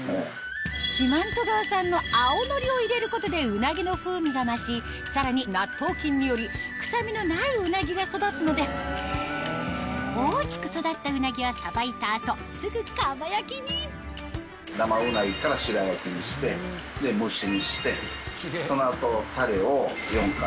四万十川産の青のりを入れることでうなぎの風味が増しさらに納豆菌により臭みのないうなぎが育つのです大きく育ったうなぎはさばいた後すぐ蒲焼に生うなぎから白焼きにして蒸しにしてその後。